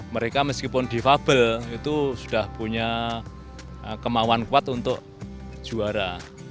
mereka meskipun defable itu sudah punya kemauan kuat untuk juara